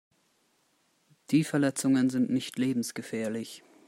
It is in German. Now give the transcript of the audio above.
Die Verletzungen sind nicht lebensgefährlich.